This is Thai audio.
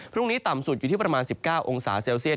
พรุ่งนี้ต่ำสุดอยู่ที่ประมาณ๑๙องศาเซลเซียต